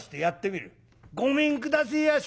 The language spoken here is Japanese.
「ごめんくだせえやし」。